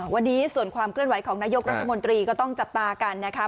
วันนี้ส่วนความเคลื่อนไหวของนายกรัฐมนตรีก็ต้องจับตากันนะคะ